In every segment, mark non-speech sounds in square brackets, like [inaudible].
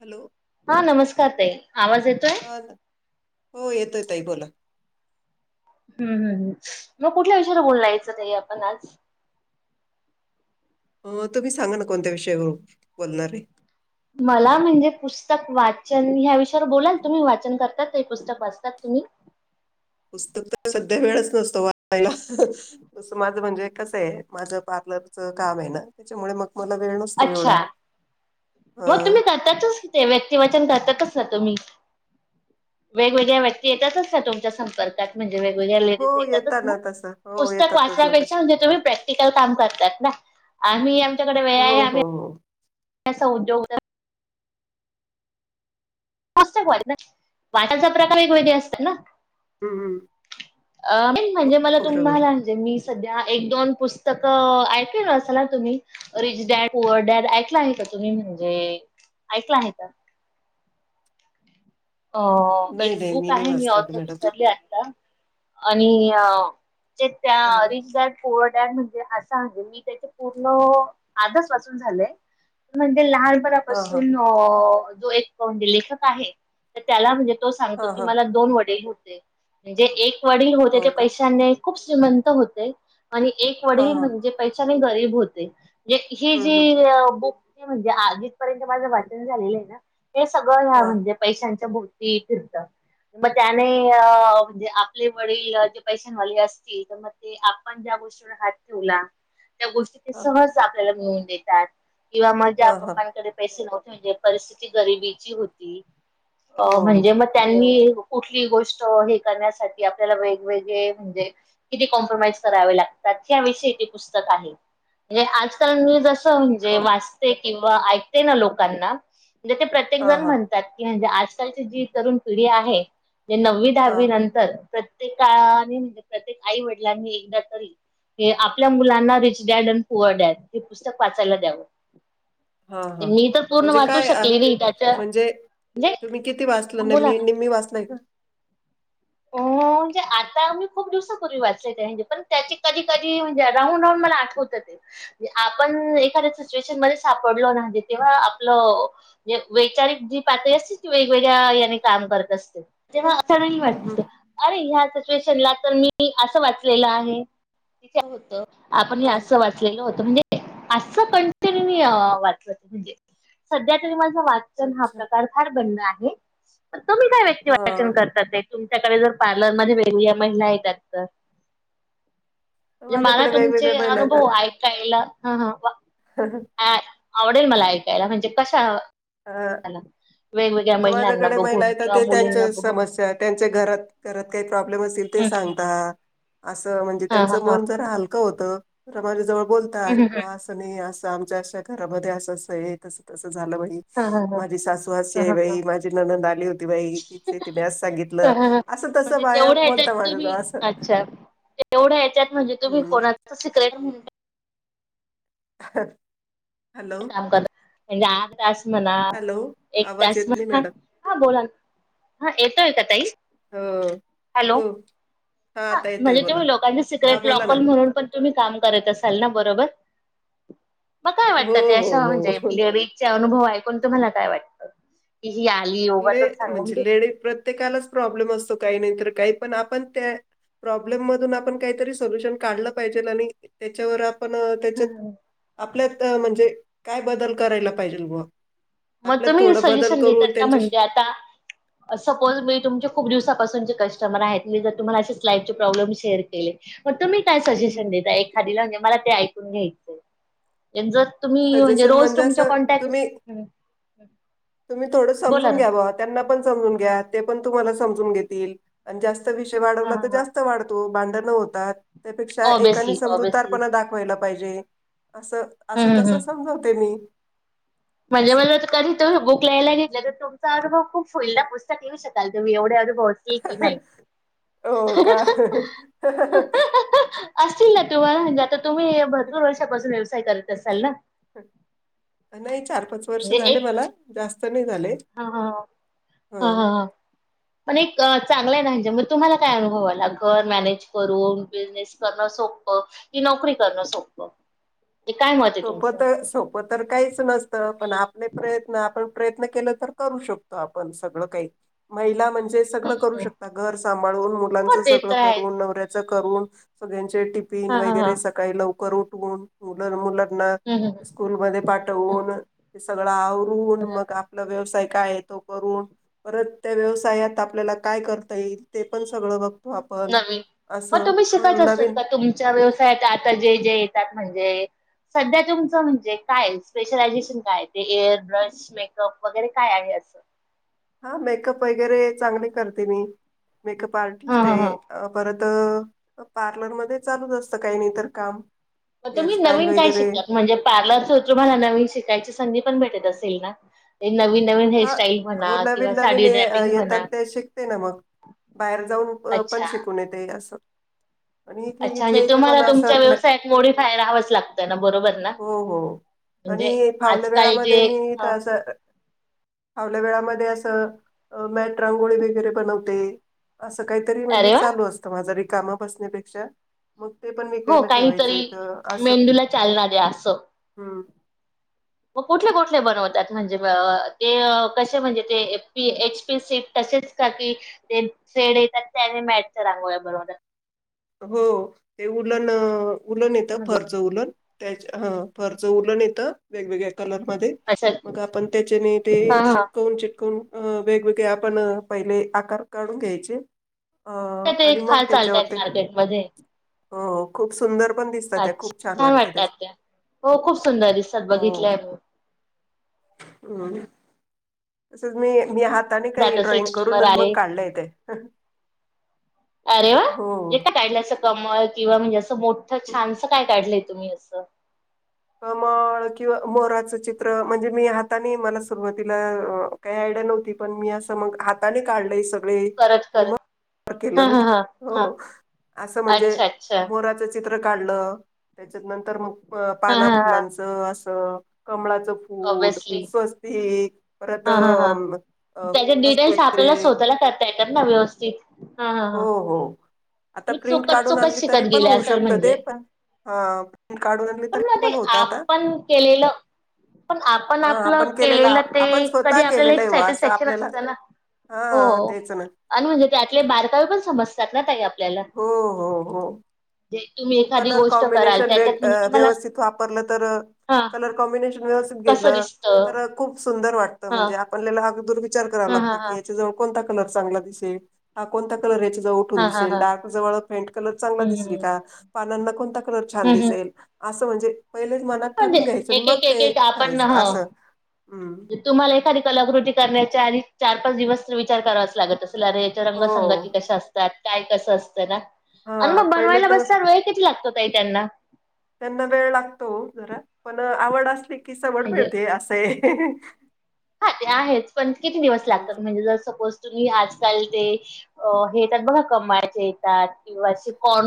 Hello हा, नमस्कार ताई, आवाज येतोय? ह. हो येतोय ताई बोला. हम्म हम्म, मग कुठल्या विषयावर बोललायचं ताई आपण आज? अ तुम्ही सांगा ना, कोणत्या विषयावर बोलणार आहे? मला म्हणजे, पुस्तक वाचन ह्या विषयावर बोलाल तुम्ही वाचन करतात, ते पुस्तक वाचतात तुम्ही? पुस्तक तर सध्या वेळच नसतो वाचायला. तसं माझं म्हणजे कसं आहे, माझं पार्लरचं काम आहे ना. त्याच्यामुळे मग मला वेळ नसतो एवढा, अच्छा हम्म त्याचच व्यक्तिवचन करतातच ना तुम्ही? वेगवेग्या व्यक्ती येतातच ना तुमच्या संपर्क कात म्हणजे वेगवेगळ्या ला हो ऐतातच येतात ना तसं हो पुस्तक येतातच वाचन्या ना तसे पेक्षा प्रॅक्टिकल काम करतात ना आम्ही आमच्या कडे हो हो हो [inaudible] उद्योग ष्टक वा वाचिता वाचाचा प्रकार वेगवगळे असतात ना. हम्म हम्म अ म्हणजे मला हो, बरोबर तुम्हाला म्हंजे मी सध्या एक -दोन पुस्तकं ऐकल असा ना, तुम्ही रिच डॅड पुअर डॅड ऐकला आहे का तुम्ही? म्हणजे ऐकला आहे का? अ एक नाही नाही बुक नाही आहे. मी वाचलेलं ऑथर मॅडम विसरली आता आणि जस्ट अं, रिस्टार्ट. पोअर डाळ म्हणजे असं आहे, मी त्याचे पूर्ण आजच वाचून झालंय. म्हणजे हा हा लहानपणापासून अ जो एक म्हणजे लेखक आहे तर त्याला म्हणजे तो सांगतो हा की, हा मला दोन वडील होते म्हणजे एक वडील होते ते हो का पैशाने खूप श्रीमंत होते आणि एक हा वडील हा म्हणजे पैशाने गरीब होते. हे हम्म, हम्म. जी बुक म्हणजे आ जिथपर्यंत माझं वाचन झालेलं आहे ना हे सगळं ह्या हा म्हणजे पैशांच्या भोवती फिरतं. मग त्याने म्हणजे आपले वडील जे पैशानवाले असतील तर मग ते आपण ज्या गोष्टीवर हात ठेवला, त्या गोष्टी ते हा सहज आपल्याला मिळवून देत. किंवा मग हा ज्या हा पप्पांकडे पैसे नव्हते म्हणजे परिस्थिती गरिबीची होती अ हो हो म्हणजे मग त्यांनी कुठलीही गोष्ट हे करण्यासाठी, आपल्याला वेगवेगळे म्हणजे किती कॉम्प्रोमाइज करावे लागतात, ह्या विषयी ते पुस्तक आहे म्हणजे आजकाल मी जशी म्हणजे हो. वाचते किंवा ऐकते ना लोकांना म्हणजे ते हा प्रत्येकजण हा म्हण तात. म्हणजे आजकालची जी तरुण पिढी आहे ते नववी हा दहावी नंतर तर प्रत्येकाने म्हणजे प्रत्येक आई वडीलांनि एकदा तरी हे आपल्या मुलांना rich dad and poor dad हे पुस्तक वाचायला द्यावं. हा हा ह मी तर पूर्ण म्हणजे वाचू काय अ, शकले नाही त्याच्या म्हणजे तुम्ही किती वाचलं नाही, बोला मी ना. निम्मी वाचलंय का? हो. म्हणजे आता मी खूप दिवसांपूर्वी वाचलंय, ते म्हणजे पण त्याचे कधी कधी म्हणजे राहून राहून मला आठवतं ते. म्हणजे आपण एखाद्या सिच्युएशन मध्ये सापडलो ना, तेव्हा आपलं म्हणजे वैचारिक जी पातळी असते, ती वेगवेगळ्या याने काम करत असते. तेव्हा आश्चर्यही हम्म हम्म वाटतं. अरे ह्या सिच्युएशनला तर मी असं वाचलेलं आहे, कि काय होतं? आपणही हा असं वाच लेलं होतं, म्हणजे असं कंटिंन्यू नाही मी वाचलं. म्हणजे सध्या तरी माझं वा चन हा अच्छा प्रकार फार बंद आहे. मग तुम्ही काय व्यक्ती वाचन हा करता ते? त्याकडे जर पार्लरमध्ये वेगवेगळ्या महिला येतात तर म्हणजे मला माझ्याकडे वेगवेगळ्या तुमचे महिला अनुभव ऐकायला, हं ह. वा हा हा. ऍ, आवडेल मला ऐकायला म्हणजे कशा ला वेगवेगळ्या, आता महिलांना माझ्याकडे महिला बघून येतात किंवा ते मुलींना त्यांच्या बघून समस्या त्यांच्या घरात, घरात काही प्रॉब्लेम असेल ते सांगता. असं म्हणजे हा हा त्यांचं हा मन जरा हलकं होतं, तर माझ्या जवळ ह बोलतात. बुआ असं नाही असं आमच्या अशा घरामध्ये असं असं आहे, तसं तसं झालं बाई. ह ह ह माझी सासू अशी ह आहे बाई, माझी नणंद आली होती बाई, तिचे तिने अस सांगितलं ह ह असं तसं म्हणजे बाया तेवढ्या बोलता याच्यात तुम्ही, माझ्याजवळ असं अच्छा. तेवढ्या याच्यात म्हणजे तुम्ही हम्म कोणात तुमचं सिक्रेट म्हणू हा काम करत म्हणजे आठ तास म्हणा, हॅलो एक आवाज तास येत नाही म्हणा. मॅडम हा, बोला ना. हा, येतोय का ताई? हो हॅलो. हो हा हां, आता येतोय म्हणजे बोला तुम्ही लोकांचे हा सिक्रेट बोला ना लॉकर म्हणूनं पण तुम्ही काम करत असाल ना, बरोबर. मग का हो त्याचे हो असं म्हणजे, हो लेडीजचे अनुभव ऐकून तुम्हाला काय वाटतं? की ही आली, ले उगाचंचं सांगून म्हणजे लेडी प्रत्येकालाच प्राॅब्लम असतो काई नाई तर काई पण आपण त्या प्राॅब्लम मधून आपण काईतरी सोल्युशन काढलं पायजेल. आणि त्याच्यावर आपणं त्याच्यात आपल्यात अ म्हणजे काय बदल करायला पाहिजेल बुआ. म तुम्ही हे सजेशन देतात का म्हणजे आता सपोज मी तुमच्या खूप दिवसापासून कस्टमर आहेत मी जर तुम्हाला अशेच लाईफचे प्रॉब्लेम शेअर केले म तुम्ही काय सजेशन देता एक् -खादिला म्हणजे मला ते ऐकून घ्यायचयं. एम् ज तुमी म्हणजे, सजेशन रोज तुमच्या असं काॅन्टॅक् तुम्ही तुम्ही थोडं समजून घ्या ब्वा, त्यांना पण समजून घ्या, ते पण तुम्हाला समजून घेतील. अन जास्त विषय हा वाढवला त हा हा. जास्तं वाढतो, भांडणं होतात. त्यापेक्षा एकाने ऑब्विसली ऑब्विसली. समजूतदारपणा दाख् -वायला पायजे असं, हम्म हम्म असं-तसं हम्म. समजवते मी. म्हणजे असं [unintelligible] कधी तुम्ही बुक ल्यायला घेतलं, त तुमचा अनुभव खूप होईल ना. पुस्तक लीऊ शकाल तुमी एवढे अनुभव हो का? [unintelligible] असतील ना तुम्हाला म्हंजे आता तुम्ही भरपूर वर्षापासून व्यवसाय करत असालं ना नई चार पाच वर्ष झाले मला, जास्तं नई झाले. हां हां हां, हां हं. हां हां. पण एक चांगलंय ना म्हंजे मं तुम्हाला काय अनुभव आला, घर मॅनेज करून बीझनेस करणं सोप्पं की नोकरी करणं सोप्पं. ती काय मत सोपं तं सोप् -पं तर काईचं नसतं, पण आपले प्रयत्न, आपण प्रयत्न केलं तर करू शकतो आपण सगळं काई. महिला म्हणजेच सगळं करू शकतात घर सांभळूनं, मुलांच हो ते सगळं तर आहेच करूनं, नवर्याचं करूनं, सगळ्यांचे टिप् -फीनं हा हा हा वगैरे सकाळी लवकर उठवून मुलं-मुलं‌ -ना हम्म स्कुल मध्ये हम्म पाठवूनं सगळं आवरून मग आपला व्यवसाय काये तो करून परत त्या व्यवसायात आपल्याला काय करता येईल, ते पण सगळं बघ नवीन मं तुमी शिकायचं असतात नवीन का तुमच्या व्यवसायात आता जे जे येतातं म्हणजे सध्या तुमचं म्हणजे काये? स्पेशलायझेशन काय? ते एअर ब्रश मेकअप वगैरे काय आहे असं हां मेकअप वगैरे चांगली करते मी मेकअप हा आर्टिस्टे. हा हा अं परतं पार्लरमध्ये चालूचं असतं काई नाईतर काम म तुमी हेअरस्टाईल नवीन काय वगैरे शिकलातं म्हणजे पार्लरचं तुम्हाला नवीन शिकायची संधी पण भेटत असेल ना- ए नवीन-नवीन हा हेअरस्टाईल म्हणा, हो किंवा नवीन नवीन साडी ये- अ, ड्रॅपिंग म्हणा. येतात ते शिकते ना मग बाहेर जाऊन पणं अच्छा शिकून येते असं आणि इथे अच्छा! म्हणजे इथल्या इथे तुम्हाला पण तुमच्या असं मे- व्यवसायात मोडी फाय राहावंच लागतं ना, बरोबर ना. हो हो म्हंजे, आणि फावल्या आज-काल जे वेळामध्ये मी तर असं फावल्या वेळामध्ये असं अ मॅट रांगोळी वगैरे बनवते. असं काईतरी म्हणजे अरे वा चालू असतं माझं रिकामं बसण्यापेक्षा, मग ते पणं मी हो काहीतरी मेंदूला चालणा द्या असं. हम्म म कुठले कुठले बनवत्यात म्हणजे म अ ते अ कसे म्हणजे ते एप पी एच पी सेट तसेच का ती ते सेड येतात त्याने मॅटच्या रांगोळ्या बनवतात. हो, ते उलणं उलण येथं फर् उलण त्या फर्ज उलण येतं वेगवेगळ्या कलरमध्ये असं मगं आपणं तेच्याने ते हा हा चिटकवून चिटकवून अ वेगवेगळे आपण पहिले आकार काढून घ्यायचे. अ आणि मग त्याच्यावरती मध्येे. हो खूप सुंदर पण दिसतात त्या अच्छा खूप छान वाटत वाटतात त्याचा त्या. हो खूप सुंदर दिसतात [unintelligible] हो. बघितलंय मी हमं. तसचं मी मी हाताने काही जात असेल ड्रॉइंग करून कस्टमर मगं आले काढलंय तेे अरे वा का काढलं असं कमळ किंवा म्हणजे असं मोठं छानस काय काढलंय तुम्ही असं. कमळ किंवा मोराच चित्र म्हणजे मी हाताने मला सुरुवातीला काही आयडिया नव्हती. पण मी असं मग हाताने काढलंय सगळे. परत आणि कर. मग केलं मी हो असं म्हणजे अच्छा अच्छा मोराच चित्र काढ त्याच्या नंतर मग हा पाना हा हा फुलांच अस. कमळाच फूल ऑब्विसली स्वस्तिक परत हा हा हा अम, अ, त्याचे कळस डिटेल्स आपल्याला वगैरे स्वतःला करता येतात ना व्यवस्थित. हा हा हो हा हो. आता मी प्रिंट चुकत काढून चुकत आणली शिकत तरी पण गेले होऊ असल शकतं ते म्हणजे. पण हा प्रिंट काढून आणली पण तरी मग ते होत आता आपण केलेलं. पण आपण हा आपलं केलेला केलेलं ते आपण तरी स्वतः आपल्याला केलेलं एक आहे वा स्टेट असं सेक्शन आपल्याला असतं ना हो हा तेच ना अण म्हणजे त्यातले. तरी पण समजतात ना ताई आपण हो हो हो. जे तुम्ही एखादी कलर गोष्ट कराल कॉम्बिनेशन त्याच्यात म्हणजे तुम्हाला व्यवस्थित वापरलं तर हा कलर कॉम्बिनेशन व्यवस्थित कसं घेतलं तर. दिसतं. खूप सुंदर वाटतं हा म्हणजे आपला हा विचार कराव हा लागतं हा की हा याच्या जवळ कोणत कलर चांगला दिसेल हा कोणता कलर यांच्याजवळुन ऊठून हा हा दिसेल हा डार्क फेंट कलर चांगला हम्म दिसेल हम्म का पानांना कोणता कलर छान हम्म हम्म दिसेल असं म्हणजे पहिलेच मनात म्हणजे ठरवून घ्यायचं एक मग एक एक ते एक आपण करायचं ह अस. तुम्हाला एखादी कलाकृती करण्याच्या आधी चार पाच दिवस विचार करावाच लागत असे अरे. हो रंगसंगती कश असतात काय कसं असत ना. आणि हा मग पहिले बनवायला तर बसता वेळ किती लागतो त आहे त्यांना. त्यांना वेळ लागतो जरा पण आवड असली की सवड म्हणजे मिळते असं आहे. आहे पण किती दिवस लागतात म्हणजे जर सपोज तुम्ही आजकाल ते अ हे येतात बघा कमाळाचे येतात किंवा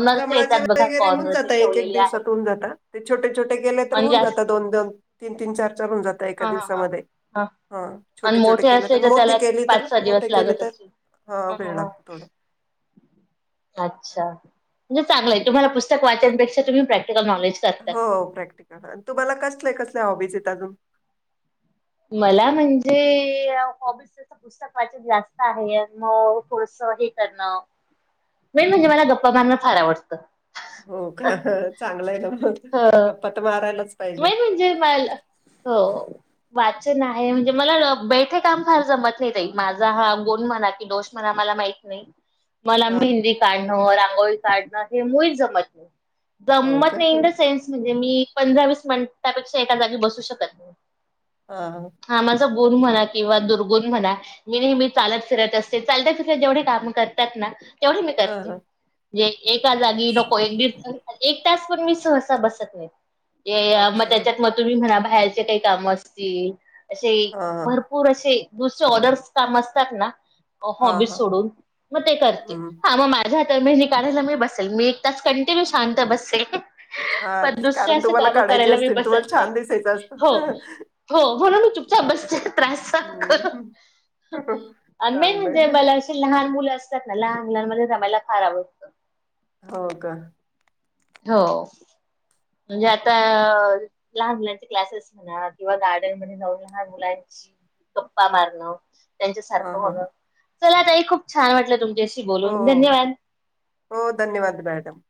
ते कमळाचे येतात बघा वगैरे होऊन कॉर्नरचे जात एक एक ठेवलेले आहे. दिवसात होऊन जात ते छोटे छोटे केले तर आणि होऊन जात जास्त दोन दोन तीन तीन चार चार होऊन जात. एका हा हा हा दिवसामध्ये हा ह आणि छोटे छोटे मोठे केले तर असले मोठीे त्याला केली तर पाच सहा दिवस मोठे केले लागत तर असतील. हा ह ह वेळ ह लागतो थोडा. अच्छा म्हणजे चांगलंय तुम्हाला पुस्तक तर वाचनपेक्षा तुम्ही प्रॅक्टिकल नॉलेज करता. हो प्रॅक्टिस. तुम्हाला कसल्या कसल्या हॉबीज आहेत अजून. मला म्हणजे हॉबीस. पुस्तक वाचित जास्त आहे मग कोर्स हे करणं. मेन म्हणजे मला गप्पा मारणं फार आवडतं. हो का चांगलं आहे ना म गप्पा तर मारायलाच. पाहिजे मेन म्हणजे मला हो. वाचन आहे म्हणजे मला बैठे काम फार जमत नाही त माझा हा गुण म्हणा की दोष्ट. मला मला माहित नाही. मला हा मेहंदी काढणं रांगोळी काढणं हे मुळी जमत नाही. हो गमत का नाही इन द सेन्स म्हणजे मी पंधरा वीस मिनिटापेक्षा एका जागी बसू शकत नाही. हा. हा माझा गुण म्हणा किंवा दुर्गुण म्हणा. मी नेहमी चालत फिरत असते चालत फिरत जेवढे काम करतात ना. तेवढी मी हा करते हा म्हणजे एका जागी नको इंग्लिश. एक तास पण मी सहसा बसत नाही. मग अच्छा त्याच्यात मग तुम्ही म्हणा बाहेरचे काही काम असतील असे हा भरपूर. पूर असे दुसर ऑर्डर्स काम असतात ना. हा हॉबी हा सोडून मग ते करते हम्म हा मग. [inaudible] तर महिनी काढयला मी बसेल मी एक तास कंटिन्यू शांत बसे. हा ते कारण तुम्हाला काढायचे मी असते बसत तुम्हाला नाही. छान दिसायचं हो असतं. हो होणा चुपचप बसच. त्रास हम्म [inaudible] म्हणजे चांगलंय मला लहान मुलं असतात ना लहान मुलांमध्ये रमायला फार आवडतं. हो का. हो. म्हणजे आता लहान मुलांचे क्लासेस म्हणा किंवा गार्डन मध्ये जाऊन लहान मुलांची. [unintelligible] हा त्यांच्यासारखं हा होण चला आताई खूप छान वाटलं तुमच्याशी हो बोलून धन्यवाद. हो धन्यवाद मॅडम.